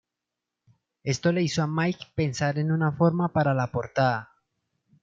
Esto le hizo a Mike pensar en una forma para la portada.